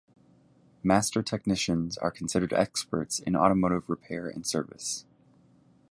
Master Technicians are considered experts in automotive repair and service.